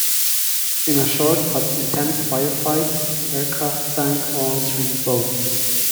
In a short but intense firefight, the aircraft sank all three boats.